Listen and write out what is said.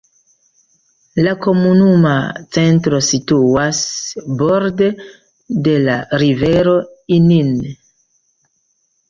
La komunuma centro situas borde de la rivero Inn.